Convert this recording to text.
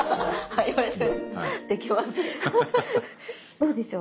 どうでしょう？